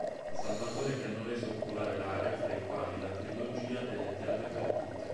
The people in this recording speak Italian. Salvatore che hanno reso popolare l'area, fra i quali la "Trilogia delle terre perdute".